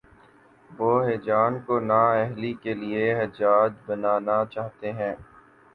وہ ہیجان کو نا اہلی کے لیے حجاب بنانا چاہتے ہیں۔